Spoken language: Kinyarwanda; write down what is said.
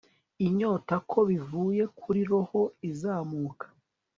inyota, ko bivuye kuri roho izamuka